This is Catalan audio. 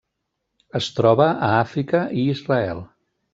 Es troba a Àfrica i Israel.